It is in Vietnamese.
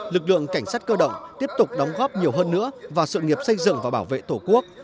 lực lượng cảnh sát cơ động tiếp tục đóng góp nhiều hơn nữa vào sự nghiệp xây dựng và bảo vệ tổ quốc